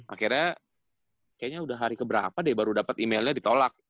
akhirnya kayaknya udah hari keberapa deh baru dapet emailnya ditolak